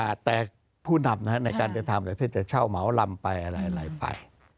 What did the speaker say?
อ่าแต่ผู้นำนะฮะในการเดินทางแต่ถ้าจะเช่าเหมาลำไปอะไรไป